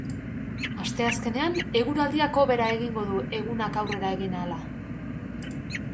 Asteazkenean, eguraldiak hobera egingo du egunak aurrera egin ahala.